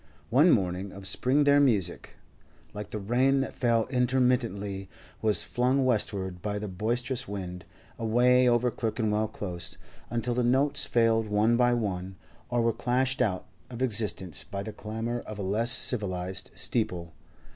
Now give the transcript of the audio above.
One morning of spring their music, like the rain that fell intermittently, was flung westwards by the boisterous wind, away over Clerkenwell Close, until the notes failed one by one, or were clashed out of existence by the clamour of a less civilised steeple.